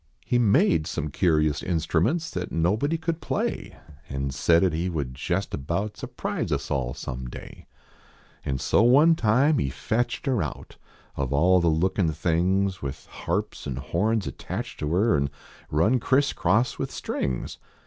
He made some curious instruments That nobody could play. And said at he would jest about Surprise us all some day. And so one time lie fetched er out, Of all the lookin tilings, With harps an horns attached to er An run criss cross with strings.